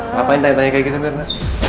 ngapain tanya tanya kayak gitu mirna